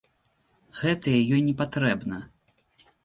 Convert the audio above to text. Гэтае ёй не патрэбна!